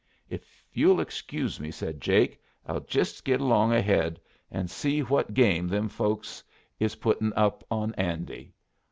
"If you'll excuse me," said Jake, "I'll jest git along ahead, and see what game them folks is puttin' up on Andy.